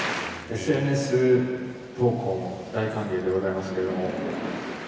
ＳＮＳ投稿も大歓迎でございますけれども。